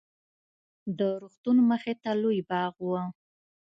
د روغتون مخې ته لوى باغ و.